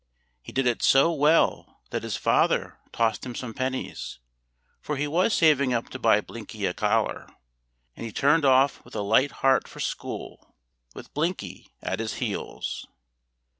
He did it so well that his father tossed him some pennies for he was saving up to buy Blinky a collar and he turned off with a light heart for school, with Blinky at his heels.